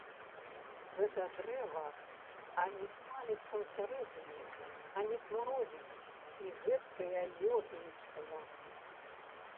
Гэта дрэва ані смаліцца ўсярэдзіне, ані смуродзіць і гэткая лёгенечкая!